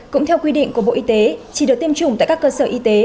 cũng theo quy định của bộ y tế chỉ được tiêm chủng tại các cơ sở y tế